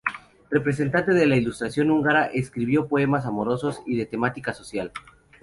Representante de la ilustración húngara, escribió poemas amorosos y de temática social.